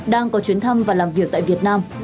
đang có chuyến thăm và làm việc tại việt nam